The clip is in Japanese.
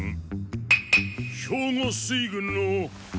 兵庫水軍の。